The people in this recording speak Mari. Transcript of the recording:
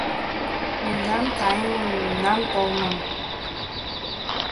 Мемнан кайымым, мемнан толмым